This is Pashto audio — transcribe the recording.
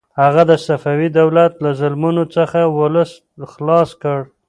هغه د صفوي دولت له ظلمونو څخه ولس خلاص کړ.